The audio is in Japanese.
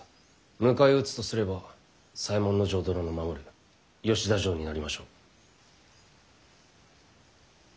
迎え撃つとすれば左衛門尉殿の守る吉田城になりましょう。